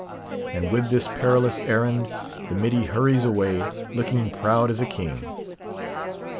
And with this perilous errand, the middy hurries away, looking proud as a king.